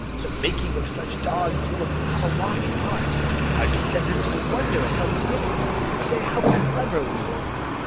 The making of such dogs will have become a lost art. Our descendants will wonder how we did it, and say how clever we were.